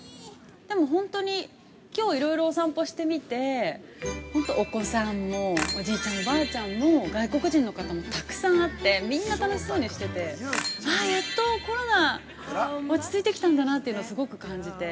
本当に、きょういろいろおさんぽしてみてお子さんもおじいちゃん、おばあちゃんも外国人の方もたくさん会ってみんな楽しそうにしててあー、やっとコロナ落ち着いてきたんだなというのをすごく感じて。